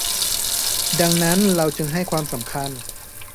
ดังนั้นเราจึงให้ความสำคัญ